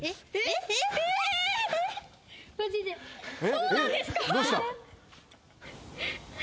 そうなんですか！？